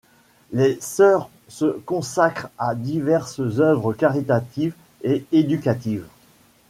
Les sœurs se consacrent à diverses œuvres caritatives et éducatives.